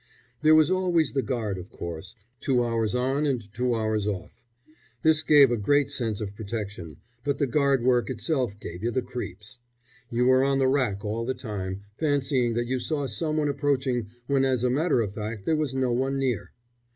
There was always the guard, of course, two hours on and two hours off. This gave a great sense of protection; but the guard work itself gave you the creeps. You were on the rack all the time, fancying that you saw some one approaching when as a matter of fact there was no one near.